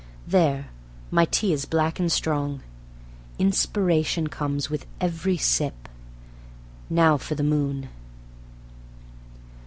There! my tea is black and strong. Inspiration comes with every sip. Now for the moon.